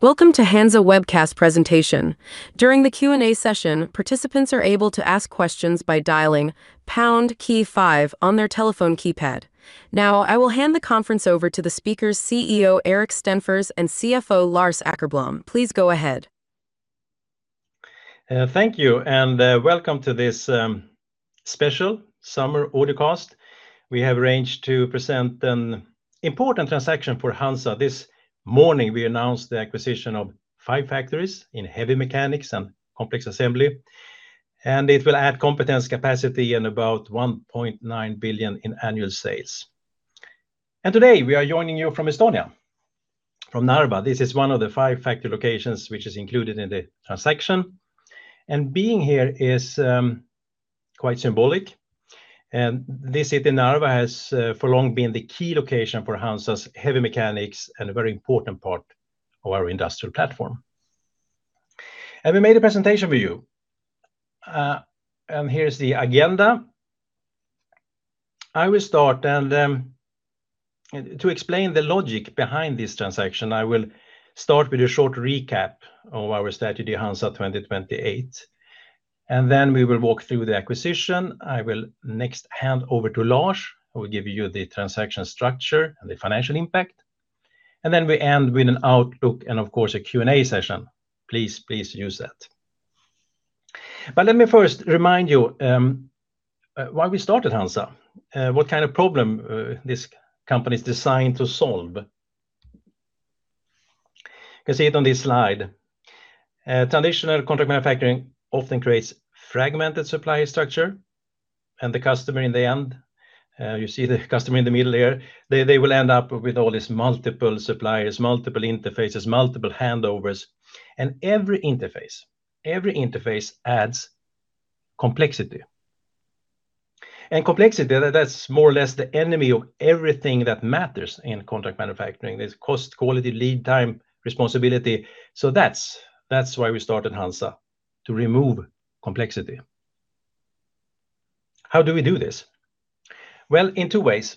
Welcome to HANZA webcast presentation. During the Q&A session, participants are able to ask questions by dialing pound key five on their telephone keypad. Now, I will hand the conference over to the speakers, CEO Erik Stenfors and CFO Lars Åkerblom. Please go ahead. Thank you, welcome to this special summer audiocast. We have arranged to present an important transaction for HANZA. This morning, we announced the acquisition of five factories in heavy mechanics and complex assembly, it will add competence capacity and about 1.9 billion in annual sales. Today, we are joining you from Estonia, from Narva. This is one of the five factory locations which is included in the transaction. Being here is quite symbolic. This city, Narva, has for long been the key location for HANZA's heavy mechanics and a very important part of our industrial platform. We made a presentation for you. Here's the agenda. I will start, and to explain the logic behind this transaction, I will start with a short recap of our strategy, HANZA 2028. Then we will walk through the acquisition. I will next hand over to Lars, who will give you the transaction structure and the financial impact. Then we end with an outlook and, of course, a Q&A session. Please use that. Let me first remind you why we started HANZA. What kind of problem this company is designed to solve? You can see it on this slide. Traditional contract manufacturing often creates fragmented supply structure, and the customer, in the end, you see the customer in the middle here, they will end up with all these multiple suppliers, multiple interfaces, multiple handovers, and every interface adds complexity. Complexity, that's more or less the enemy of everything that matters in contract manufacturing. There's cost, quality, lead time, responsibility. That's why we started HANZA, to remove complexity. How do we do this? Well, in two ways.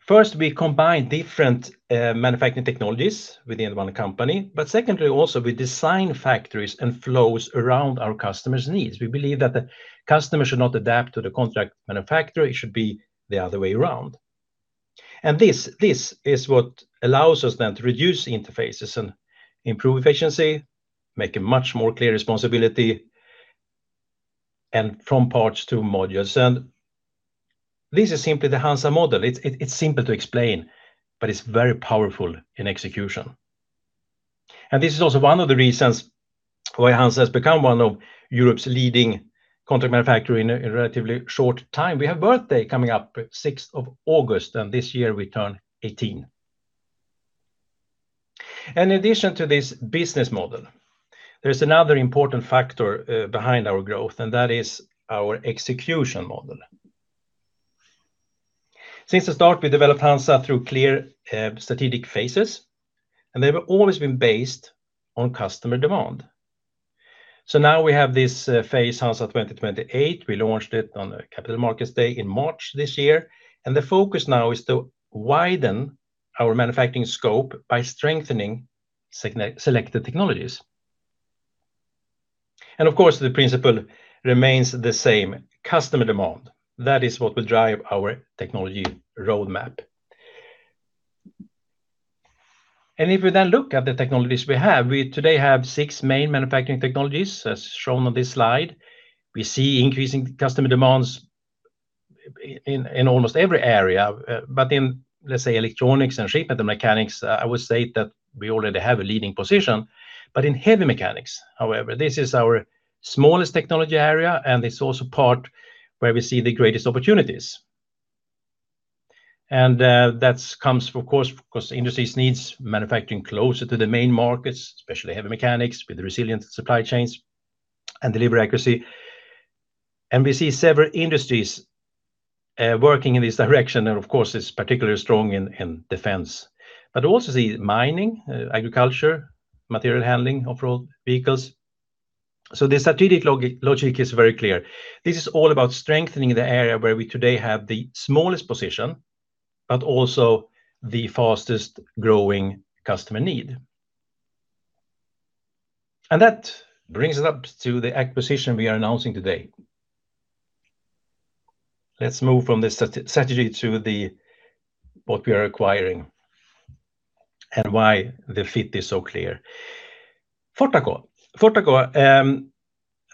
First, we combine different manufacturing technologies within one company, but secondly, also, we design factories and flows around our customers' needs. We believe that the customer should not adapt to the contract manufacturer. It should be the other way around. This is what allows us then to reduce interfaces and improve efficiency, make a much more clear responsibility, and from parts to modules. This is simply the HANZA model. It's simple to explain, but it's very powerful in execution. This is also one of the reasons why HANZA has become one of Europe's leading contract manufacturer in a relatively short time. We have birthday coming up August 6th, and this year we turn 18. In addition to this business model, there's another important factor behind our growth, and that is our execution model. Since the start, we developed HANZA through clear strategic phases. They have always been based on customer demand. Now we have this phase, HANZA 2028. We launched it on a capital markets day in March this year. The focus now is to widen our manufacturing scope by strengthening selected technologies. Of course, the principle remains the same. Customer demand. That is what will drive our technology roadmap. If we look at the technologies we have, we today have six main manufacturing technologies, as shown on this slide. We see increasing customer demands in almost every area. In, let's say, electronics and sheet metal mechanics, I would say that we already have a leading position. In heavy mechanics, however, this is our smallest technology area. It is also part where we see the greatest opportunities. That comes, of course, because the industries needs manufacturing closer to the main markets, especially heavy mechanics with resilient supply chains and delivery accuracy. We see several industries working in this direction. Of course, it is particularly strong in defense. Also see mining, agriculture, material handling, off-road vehicles. The strategic logic is very clear. This is all about strengthening the area where we today have the smallest position, but also the fastest-growing customer need. That brings it up to the acquisition we are announcing today. Let's move from the strategy to what we are acquiring and why the fit is so clear. Fortaco. Fortaco,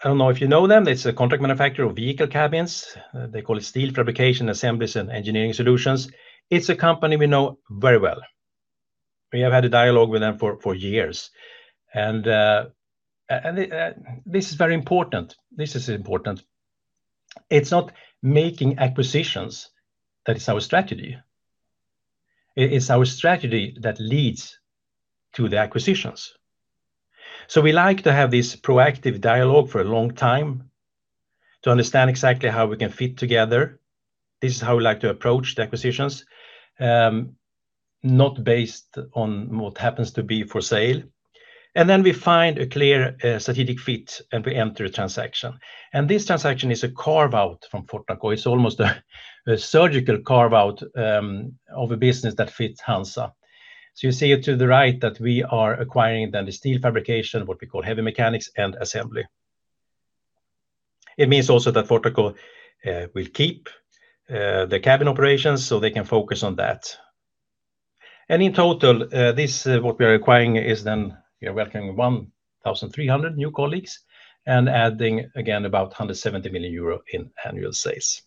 I don't know if you know them. It is a contract manufacturer of vehicle cabins. They call it steel fabrication assemblies and engineering solutions. It is a company we know very well. We have had a dialogue with them for years. This is very important. This is important. It is not making acquisitions that is our strategy. It is our strategy that leads to the acquisitions. We like to have this proactive dialogue for a long time to understand exactly how we can fit together. This is how we like to approach the acquisitions, not based on what happens to be for sale We find a clear strategic fit and we enter a transaction. This transaction is a carve-out from Fortaco. It is almost a surgical carve-out of a business that fits HANZA. You see to the right that we are acquiring then the steel fabrication, what we call heavy mechanics and assembly. It means also that Fortaco will keep the cabin operations so they can focus on that. What we are acquiring is we are welcoming 1,300 new colleagues and adding, again, about 170 million euro in annual sales.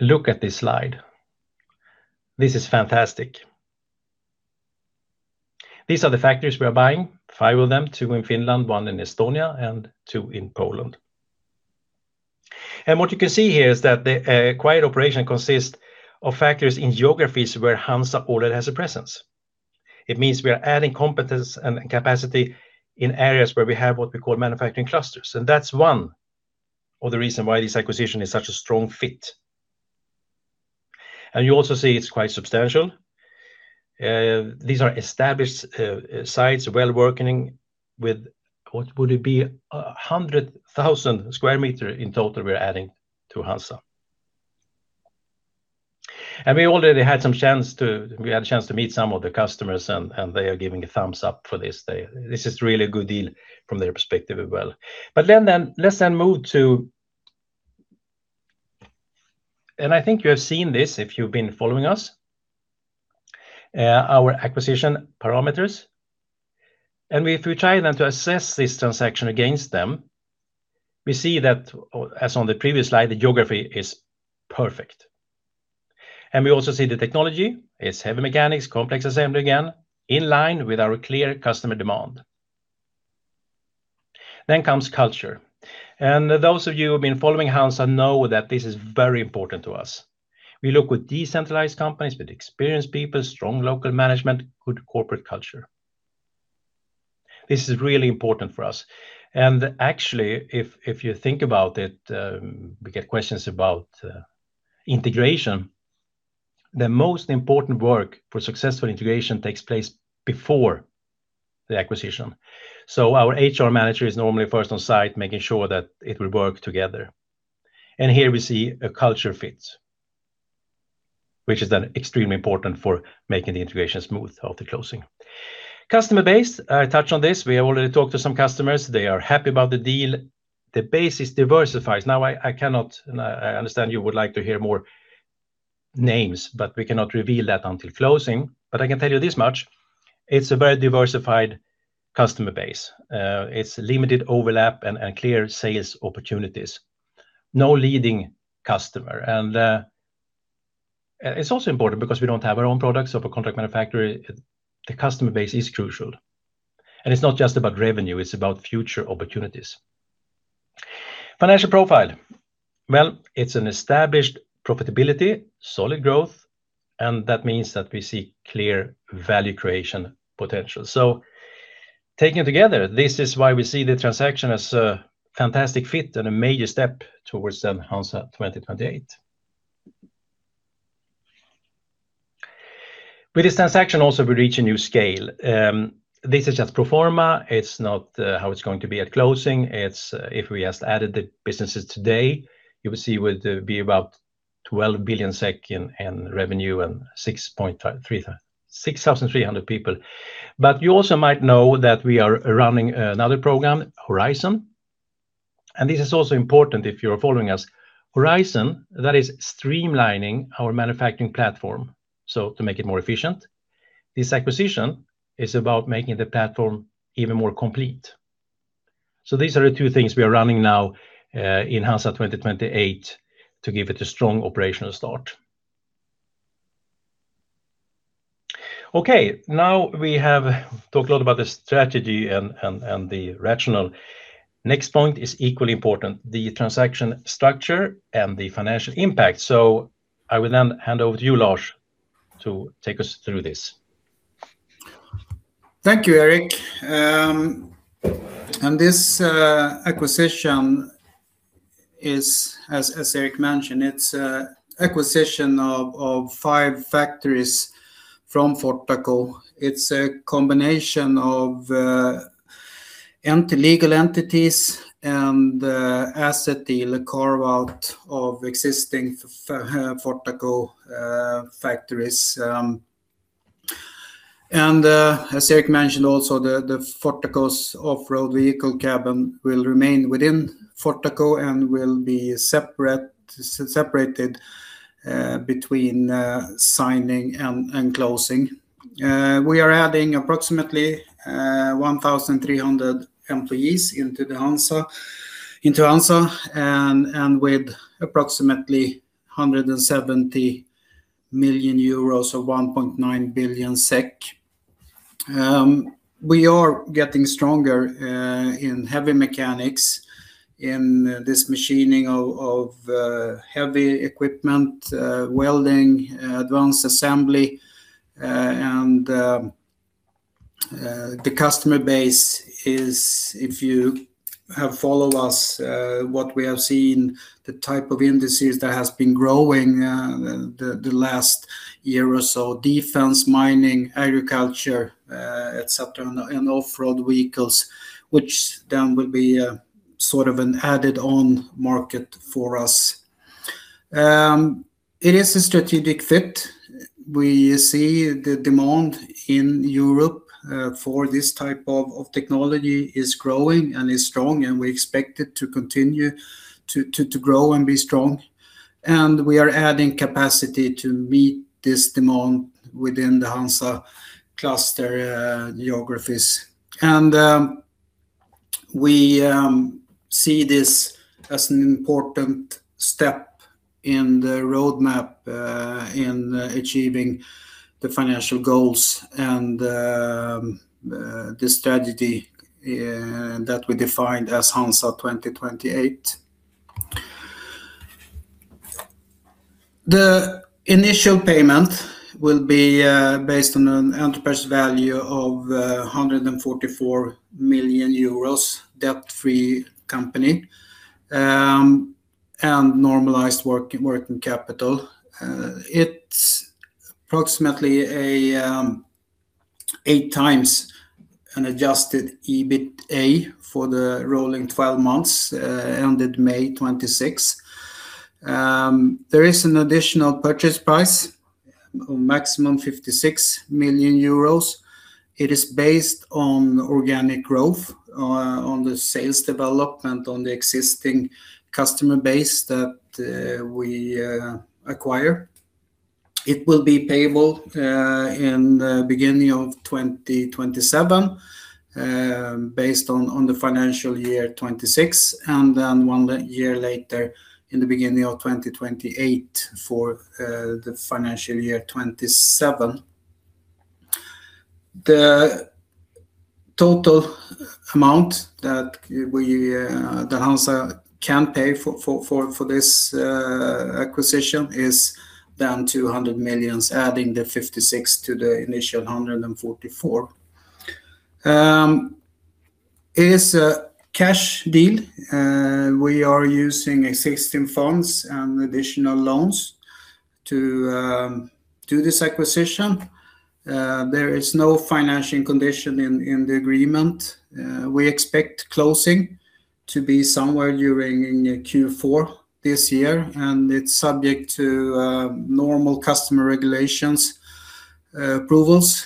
Look at this slide. This is fantastic. These are the factories we are buying, five of them, two in Finland, one in Estonia, and two in Poland. What you can see here is that the acquired operation consists of factories in geographies where HANZA already has a presence. It means we are adding competence and capacity in areas where we have what we call manufacturing clusters. That is one of the reason why this acquisition is such a strong fit. You also see it is quite substantial. These are established sites, well working with, what would it be? 100,000 sq m in total we are adding to HANZA. We had a chance to meet some of the customers, and they are giving a thumbs up for this. This is really a good deal from their perspective as well. Let's then move to. I think you have seen this if you've been following us, our acquisition parameters. If we try then to assess this transaction against them, we see that, as on the previous slide, the geography is perfect. We also see the technology. It's heavy mechanics, complex assembly again, in line with our clear customer demand. Then comes culture. Those of you who have been following HANZA know that this is very important to us. We look with decentralized companies, with experienced people, strong local management, good corporate culture. This is really important for us. Actually, if you think about it, we get questions about integration. The most important work for successful integration takes place before the acquisition. Our HR manager is normally first on site making sure that it will work together. Here we see a culture fit, which is then extremely important for making the integration smooth after closing. Customer base, I touched on this. We have already talked to some customers. They are happy about the deal. The base is diversified. I understand you would like to hear more names, but we cannot reveal that until closing. I can tell you this much, it's a very diversified customer base. It's limited overlap and clear sales opportunities. No leading customer. It's also important because we don't have our own products, so for contract manufacturer, the customer base is crucial. It's not just about revenue, it's about future opportunities. Financial profile. It's an established profitability, solid growth, and that means that we see clear value creation potential. Taking it together, this is why we see the transaction as a fantastic fit and a major step towards the HANZA 2028. With this transaction also, we reach a new scale. This is just pro forma. It's not how it's going to be at closing. It's if we just added the businesses today, you will see would be about 12 billion SEK in revenue and 6,300 people. You also might know that we are running another program, Horizon, and this is also important if you're following us. Horizon, that is streamlining our manufacturing platform, so to make it more efficient. This acquisition is about making the platform even more complete. These are the two things we are running now in HANZA 2028 to give it a strong operational start. Now we have talked a lot about the strategy and the rationale. Next point is equally important, the transaction structure and the financial impact. I will then hand over to you, Lars, to take us through this. Thank you, Erik. This acquisition is, as Erik mentioned, it's acquisition of five factories from Fortaco. It's a combination of empty legal entities and asset deal, a carve-out of existing Fortaco factories. As Erik mentioned also, the Fortaco's off-road vehicle cabin will remain within Fortaco and will be separated between signing and closing. We are adding approximately 1,300 employees into HANZA, with approximately 170 million euros or 1.9 billion SEK. We are getting stronger in heavy mechanics, in this machining of heavy equipment, welding, advanced assembly. The customer base is, if you have followed us, what we have seen, the type of indices that has been growing the last year or so, defense, mining, agriculture, etc, and off-road vehicles, which will be sort of an added-on market for us. It is a strategic fit. We see the demand in Europe for this type of technology is growing and is strong, and we expect it to continue to grow and be strong. We are adding capacity to meet this demand within the HANZA cluster geographies. We see this as an important step in the roadmap in achieving the financial goals and the strategy that we defined as HANZA 2028. The initial payment will be based on an enterprise value of 144 million euros, debt-free company, and normalized working capital. It's approximately eight times an adjusted EBITA for the rolling 12 months ended May 26. There is an additional purchase price of maximum 56 million euros. It is based on organic growth on the sales development on the existing customer base that we acquire. It will be payable in the beginning of 2027 based on the financial year 2026, one year later in the beginning of 2028 for the financial year 2027. The total amount that HANZA can pay for this acquisition is 200 million, adding the 56 million to the initial 144 million. It is a cash deal. We are using existing funds and additional loans to do this acquisition. There is no financial condition in the agreement. We expect closing to be somewhere during Q4 this year, it's subject to normal customer regulations, approvals,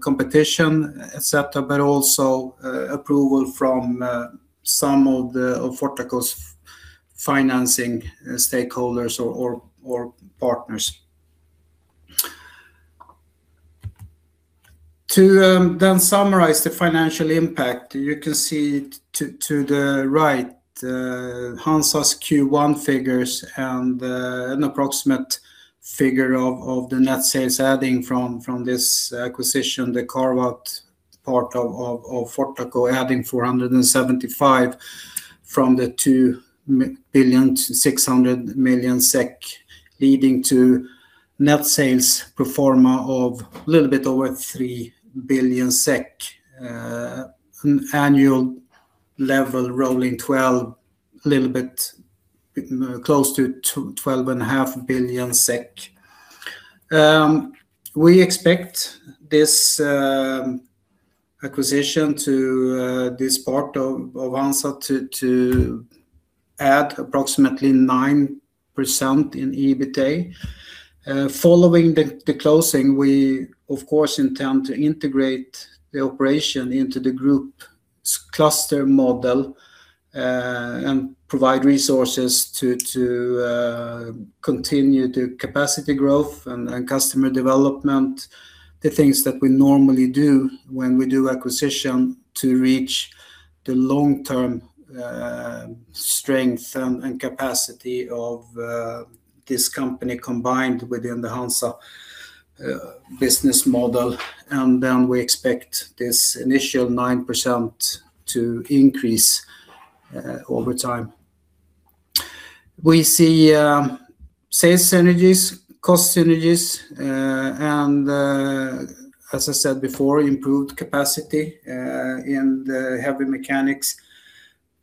competition, etc, but also approval from some of Fortaco's financing stakeholders or partners. To summarize the financial impact, you can see to the right, HANZA's Q1 figures and an approximate figure of the net sales adding from this acquisition, the carve-out part of Fortaco adding 475 from the [2.6 billion] leading to net sales pro forma of a little bit over 3 billion SEK. Annual level rolling 12, a little bit close to 12.5 billion SEK. We expect this acquisition to this part of HANZA to add approximately 9% in EBITA. Following the closing, we of course intend to integrate the operation into the group cluster model and provide resources to continue the capacity growth and customer development, the things that we normally do when we do acquisition to reach the long-term strength and capacity of this company combined within the HANZA business model. We expect this initial 9% to increase over time. We see sales synergies, cost synergies, as I said before, improved capacity in the heavy mechanics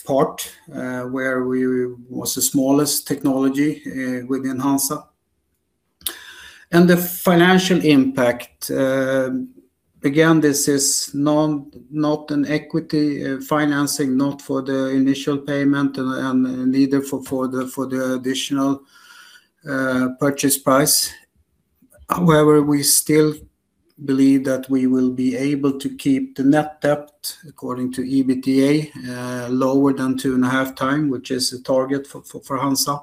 part, where we was the smallest technology within HANZA. The financial impact, again, this is not an equity financing, not for the initial payment and neither for the additional purchase price. However, we still believe that we will be able to keep the net debt according to EBITDA lower than 2.5x, which is the target for HANZA.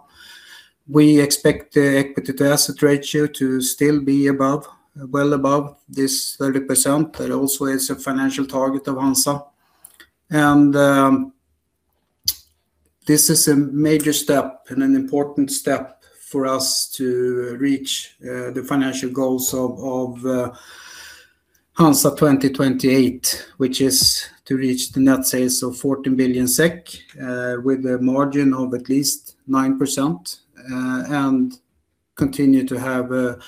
We expect the equity to asset ratio to still be well above this 30%, that also is a financial target of HANZA. This is a major step and an important step for us to reach the financial goals of HANZA 2028, which is to reach the net sales of 14 billion SEK, with a margin of at least 9%. Continue to have a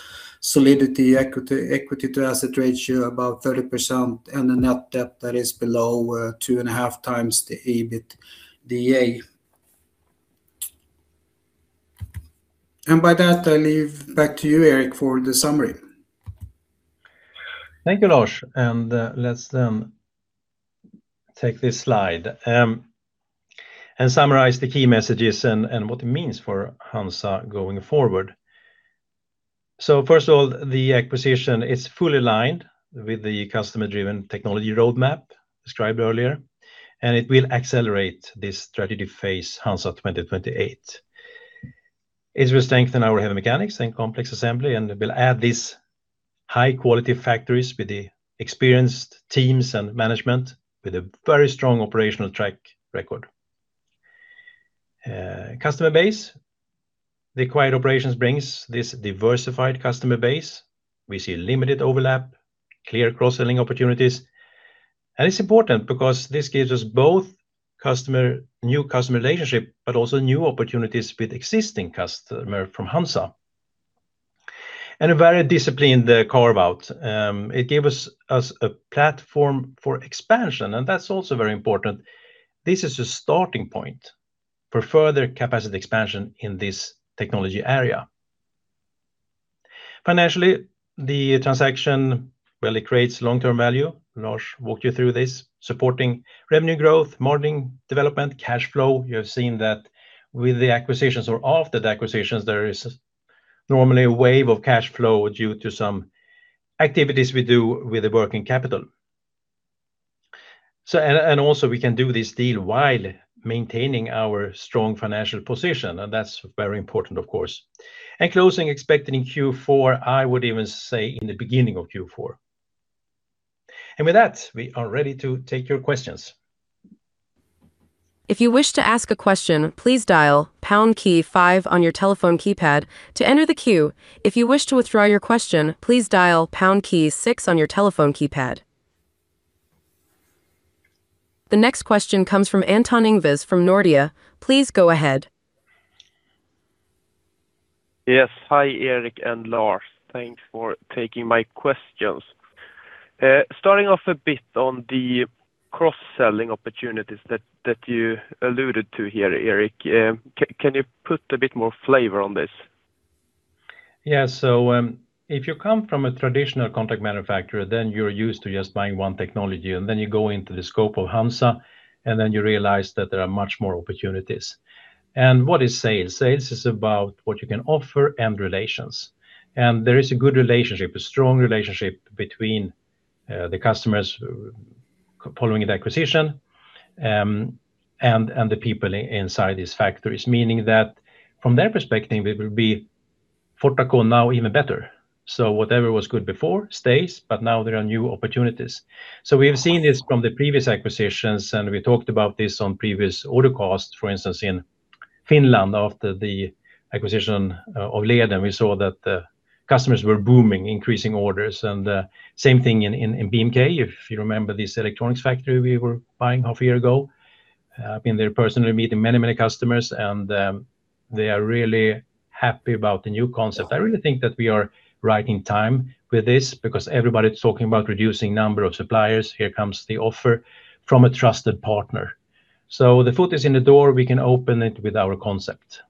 solidity equity to asset ratio above 30% and a net debt that is below 2.5x The EBITDA. With that, I leave it back to you, Erik, for the summary. Thank you, Lars. Let's then take this slide and summarize the key messages and what it means for HANZA going forward. First of all, the acquisition is fully aligned with the customer-driven technology roadmap described earlier, and it will accelerate this strategy phase, HANZA 2028. It will strengthen our heavy mechanics and complex assembly and will add these high-quality factories with the experienced teams and management with a very strong operational track record. Customer base. The acquired operations brings this diversified customer base. We see limited overlap, clear cross-selling opportunities. It's important because this gives us both new customer relationships, but also new opportunities with existing customers from HANZA. A very disciplined carve-out. It gave us a platform for expansion, and that's also very important. This is a starting point for further capacity expansion in this technology area. Financially, the transaction really creates long-term value. Lars walked you through this, supporting revenue growth, margin development, cash flow. You have seen that with the acquisitions or after the acquisitions, there is normally a wave of cash flow due to some activities we do with the working capital. Also we can do this deal while maintaining our strong financial position, and that's very important, of course. Closing expected in Q4, I would even say in the beginning of Q4. With that, we are ready to take your questions. If you wish to ask a question, please dial pound key five on your telephone keypad to enter the queue. If you wish to withdraw your question, please dial pound key six on your telephone keypad. The next question comes from Anton Ingves from Nordea. Please go ahead. Yes. Hi, Erik and Lars. Thanks for taking my questions. Starting off a bit on the cross-selling opportunities that you alluded to here, Erik, can you put a bit more flavor on this? Yeah. If you come from a traditional contract manufacturer, then you're used to just buying one technology, and then you go into the scope of HANZA, then you realize that there are much more opportunities. What is sales? Sales is about what you can offer and relations. There is a good relationship, a strong relationship between the customers following the acquisition and the people inside these factories, meaning that from their perspective, it will be Fortaco now even better. Whatever was good before stays, but now there are new opportunities. We have seen this from the previous acquisitions, and we talked about this on previous [Audicasts] for instance, in Finland after the acquisition of Leden, we saw that the customers were booming, increasing orders, and same thing in BMK. If you remember this electronics factory we were buying half a year ago. I've been there personally meeting many customers, they are really happy about the new concept. I really think that we are right in time with this because everybody's talking about reducing the number of suppliers. Here comes the offer from a trusted partner. The foot is in the door. We can open it with our concept.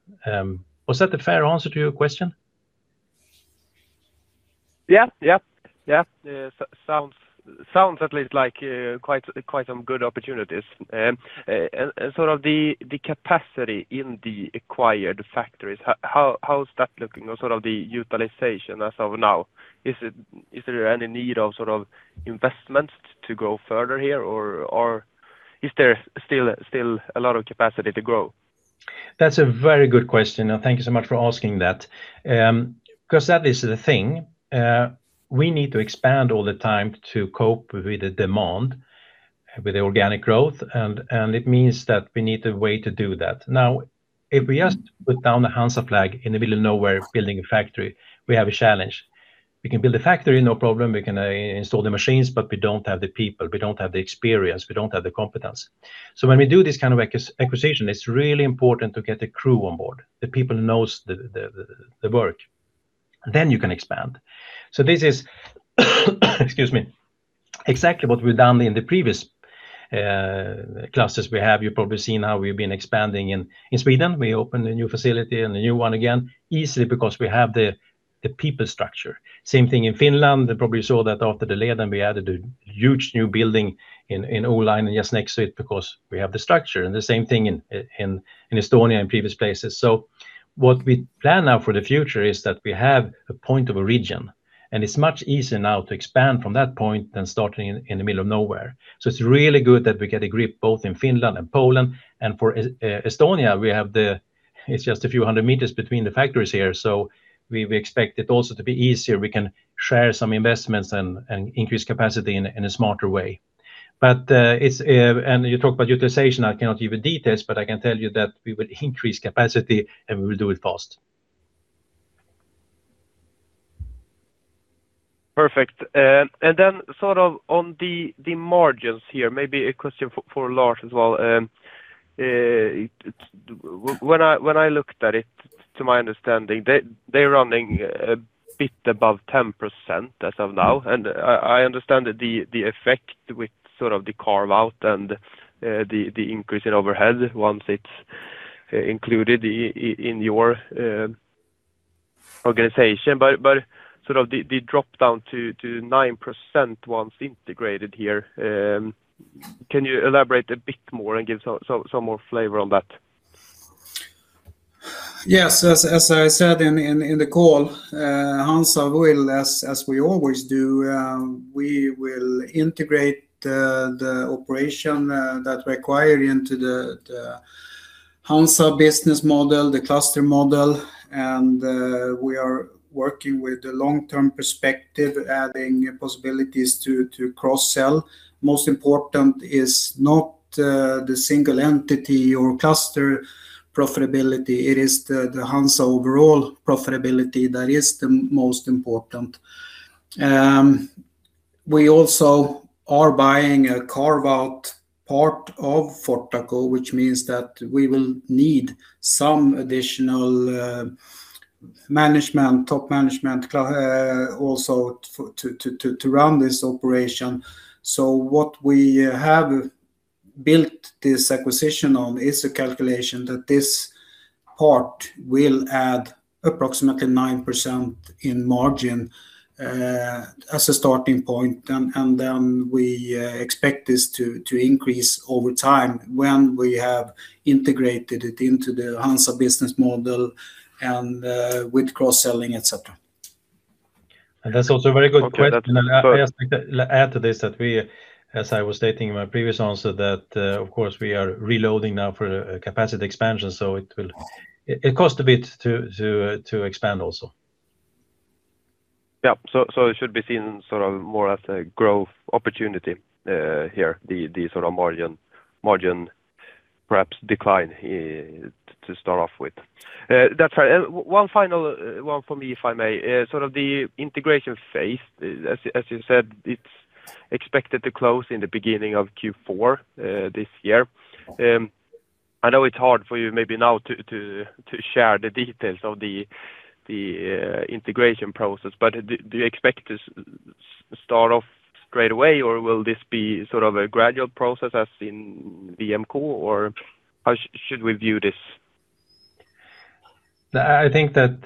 Was that a fair answer to your question? Yeah. Sounds at least like quite some good opportunities. The capacity in the acquired factories, how is that looking or the utilization as of now? Is there any need of investments to go further here, or is there still a lot of capacity to grow? That's a very good question, and thank you so much for asking that. That is the thing. We need to expand all the time to cope with the demand, with the organic growth, it means that we need a way to do that. Now, if we just put down the HANZA flag in the middle of nowhere, building a factory, we have a challenge. We can build a factory, no problem. We can install the machines, we don't have the people. We don't have the experience. We don't have the competence. When we do this kind of acquisition, it's really important to get the crew on board, the people who know the work. You can expand. This is excuse me, exactly what we've done in the previous clusters we have. You've probably seen how we've been expanding in Sweden. We opened a new facility and a new one again, easily because we have the people structure. Same thing in Finland. You probably saw that after the Leden, we added a huge new building in Oulainen just next to it because we have the structure, the same thing in Estonia and previous places. What we plan now for the future is that we have a point of a region, it's much easier now to expand from that point than starting in the middle of nowhere. It's really good that we get a grip both in Finland and Poland, for Estonia, it's just a few 100 m between the factories here, so we expect it also to be easier. We can share some investments and increase capacity in a smarter way. You talk about utilization, I cannot give you details, I can tell you that we will increase capacity we will do it fast. On the margins here, maybe a question for Lars as well. When I looked at it, to my understanding, they're running a bit above 10% as of now, and I understand the effect with the carve-out and the increase in overhead once it's included in your organization. The drop-down to 9% once integrated here, can you elaborate a bit more and give some more flavor on that? Yes. As I said in the call, HANZA will, as we always do, we will integrate the operation that require into the HANZA business model, the cluster model, and we are working with the long-term perspective, adding possibilities to cross-sell. Most important is not the single entity or cluster profitability. It is the HANZA overall profitability that is the most important. We also are buying a carve-out part of Fortaco, which means that we will need some additional top management also to run this operation. What we have built this acquisition on is a calculation that this part will add approximately 9% in margin as a starting point, and then we expect this to increase over time when we have integrated it into the HANZA business model and with cross-selling, etc. That's also a very good question. Okay. I'd just like to add to this that we, as I was stating in my previous answer, that, of course, we are reloading now for a capacity expansion, so it cost a bit to expand also. Yep. It should be seen more as a growth opportunity here, the margin perhaps decline to start off with. That's right. One final one from me, if I may. The integration phase, as you said, it's expected to close in the beginning of Q4 this year. I know it's hard for you maybe now to share the details of the integration process, but do you expect this to start off straight away, or will this be a gradual process as in BMK, or how should we view this? I think that,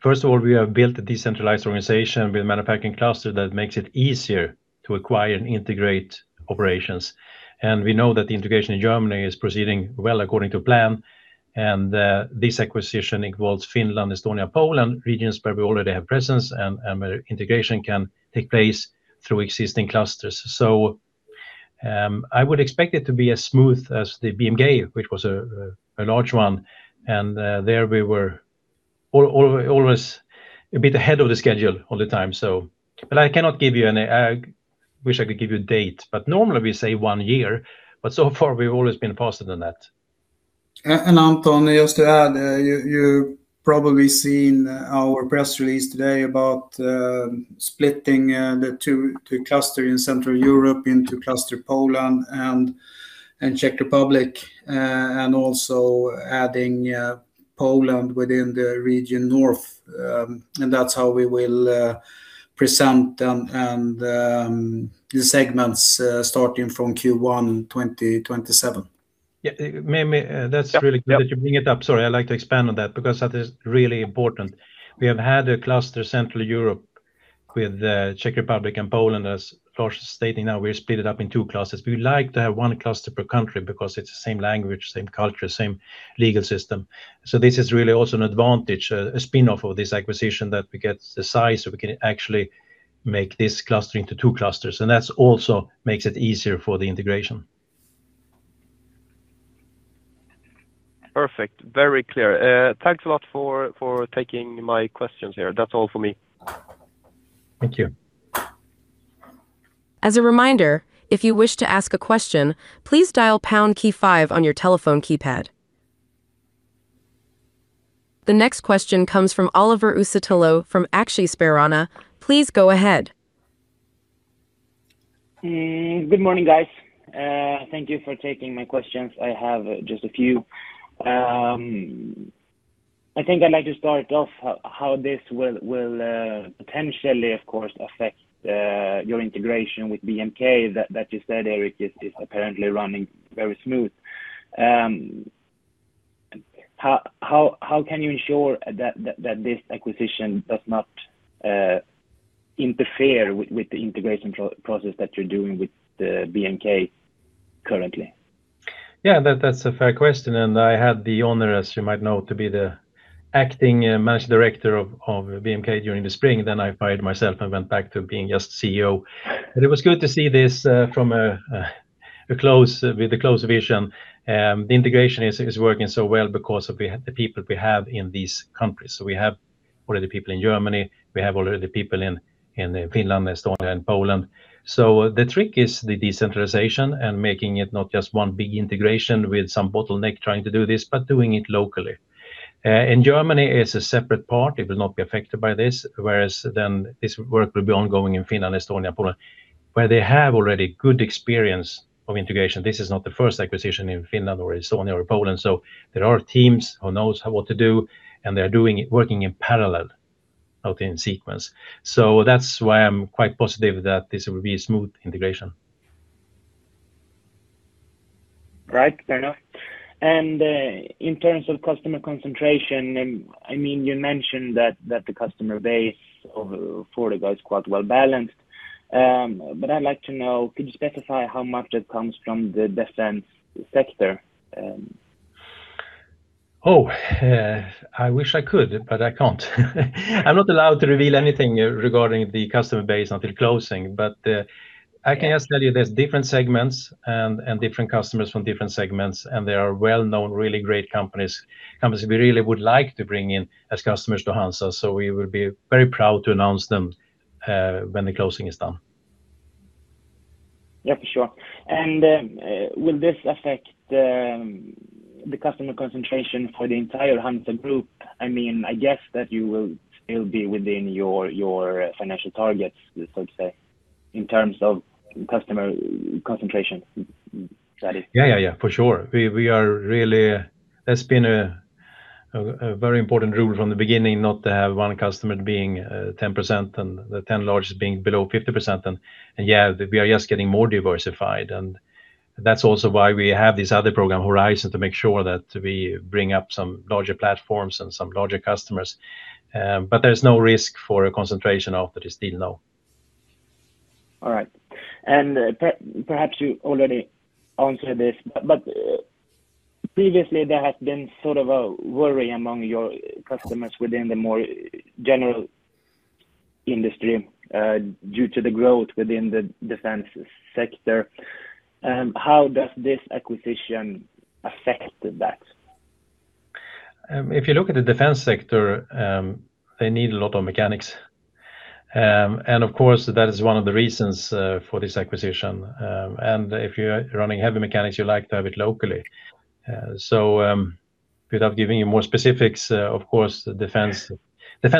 first of all, we have built a decentralized organization with a manufacturing cluster that makes it easier to acquire and integrate operations. We know that the integration in Germany is proceeding well according to plan. This acquisition involves Finland, Estonia, Poland, regions where we already have presence and where integration can take place through existing clusters. I would expect it to be as smooth as the BMK, which was a large one, and there we were always a bit ahead of the schedule all the time. I wish I could give you a date, but normally we say one year, but so far we've always been faster than that. Anton, just to add, you probably seen our press release today about splitting the two cluster in Central Europe into cluster Poland and Czech Republic, and also adding Poland within the region North. That's how we will present and the segments starting from Q1 2027. Yeah. That's really good that you bring it up. Sorry. I'd like to expand on that because that is really important. We have had a cluster Central Europe with Czech Republic and Poland, as Lars is stating now, we split it up in two clusters. We like to have one cluster per country because it's the same language, same culture, same legal system. This is really also an advantage, a spinoff of this acquisition that we get the size so we can actually make this cluster into two clusters, and that also makes it easier for the integration. Perfect. Very clear. Thanks a lot for taking my questions here. That's all for me. Thank you. As a reminder, if you wish to ask a question, please dial pound key five on your telephone keypad. The next question comes from Oliver Uusitalo from Aktiespararna. Please go ahead. Good morning, guys. Thank you for taking my questions. I have just a few. I think I'd like to start off how this will potentially, of course, affect your integration with BMK that you said, Erik, is apparently running very smooth. How can you ensure that this acquisition does not interfere with the integration process that you're doing with the BMK currently? Yeah, that's a fair question. I had the honor, as you might know, to be the acting managing director of BMK during the spring. I fired myself and went back to being just CEO. It was good to see this with a close vision. The integration is working so well because of the people we have in these countries. We have already people in Germany, we have already people in Finland, Estonia, and Poland. The trick is the decentralization and making it not just one big integration with some bottleneck trying to do this, but doing it locally. Germany is a separate part, it will not be affected by this, whereas then this work will be ongoing in Finland, Estonia, Poland, where they have already good experience of integration. This is not the first acquisition in Finland or Estonia or Poland. There are teams who knows what to do, and they're working in parallel, not in sequence. That's why I'm quite positive that this will be a smooth integration. Right. Fair enough. In terms of customer concentration, you mentioned that the customer base of Fortaco is quite well-balanced. I'd like to know, could you specify how much that comes from the defense sector? Oh. I wish I could, but I can't. I'm not allowed to reveal anything regarding the customer base until closing, but I can just tell you there's different segments and different customers from different segments, and they are well-known, really great companies we really would like to bring in as customers to HANZA. We will be very proud to announce them when the closing is done. Yeah, for sure. Will this affect the customer concentration for the entire HANZA group? I guess that you will still be within your financial targets, so to say, in terms of customer concentration, that is. Yeah. For sure. That's been a very important rule from the beginning, not to have one customer being 10% and the 10 largest being below 50%. Yeah, we are just getting more diversified, and that's also why we have this other program, Horizon, to make sure that we bring up some larger platforms and some larger customers. There's no risk for a concentration after this deal, no. All right. Perhaps you already answered this, previously there has been sort of a worry among your customers within the more general industry due to the growth within the defense sector. How does this acquisition affect that? If you look at the defense sector, they need a lot of mechanics. Of course, that is one of the reasons for this acquisition. If you're running heavy mechanics, you like to have it locally. Without giving you more specifics, of course, defense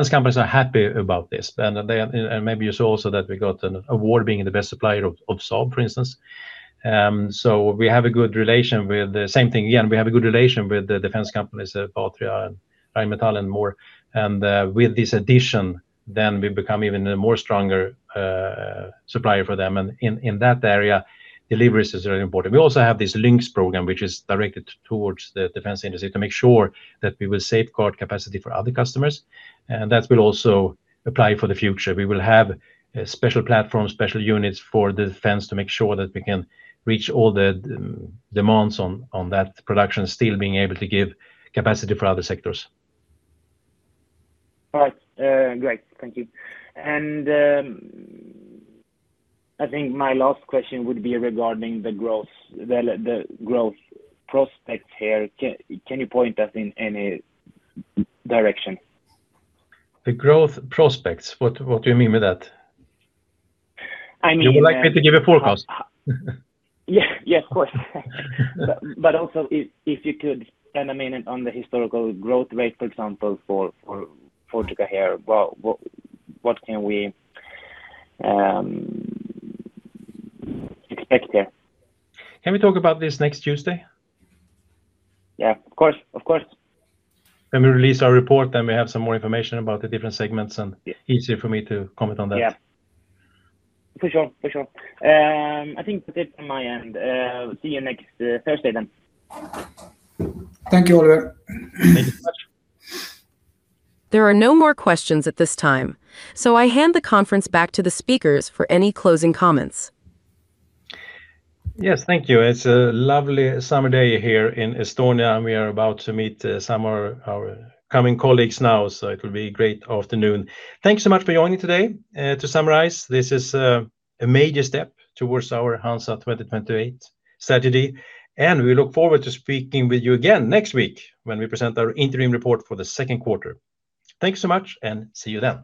companies are happy about this. Maybe you saw also that we got an award being the best supplier of Saab, for instance. We have a good relation with the same thing again, we have a good relation with the defense companies, Patria and Rheinmetall and more. With this addition, we become even a more stronger supplier for them. In that area, deliveries is very important. We also have this LYNX program, which is directed towards the defense industry to make sure that we will safeguard capacity for other customers. That will also apply for the future. We will have special platforms, special units for the defense to make sure that we can reach all the demands on that production, still being able to give capacity for other sectors. All right. Great. Thank you. I think my last question would be regarding the growth prospects here. Can you point us in any direction? The growth prospects? What do you mean by that? I mean. You would like me to give a forecast? Yeah. Of course. Also if you could spend a minute on the historical growth rate, for example, for Fortaco, what can we expect there? Can we talk about this next Tuesday? Yeah. Of course. When we release our report, then we have some more information about the different segments and easier for me to comment on that. Yeah. For sure. I think that's it from my end. See you next Thursday, then. Thank you, Oliver. Thank you so much. There are no more questions at this time. I hand the conference back to the speakers for any closing comments. Yes, thank you. It's a lovely summer day here in Estonia, and we are about to meet some of our coming colleagues now, so it will be a great afternoon. Thanks so much for joining today. To summarize, this is a major step towards our HANZA 2028 strategy, and we look forward to speaking with you again next week when we present our interim report for the second quarter. Thank you so much, and see you then.